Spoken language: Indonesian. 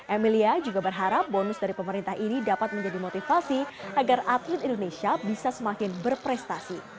emilia juga berharap bonus dari pemerintah ini dapat menjadi motivasi agar atlet indonesia bisa semakin berprestasi